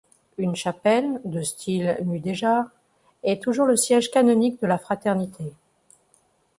Une chapelle, de style mudéjar, est toujours le siège canonique de la fraternité.